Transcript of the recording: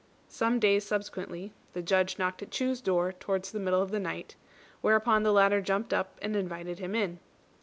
Some days subsequently, the Judge knocked at Chu's door towards the middle of the night; whereupon the latter jumped up and invited him in.